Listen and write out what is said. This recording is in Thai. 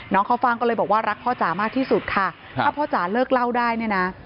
ข้าวฟ่างก็เลยบอกว่ารักพ่อจ๋ามากที่สุดค่ะถ้าพ่อจ๋าเลิกเล่าได้เนี่ยนะ